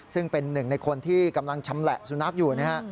ซึ่งเป็นหนึ่งในคนที่กำลังชำแหละสุนัขอยู่นะฮะ